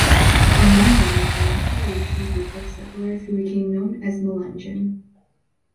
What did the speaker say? Among them was a multi-racial group of settlers who became known as Melungeon.